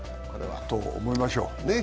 そう思いましょう。